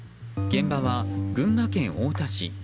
現場は群馬県太田市。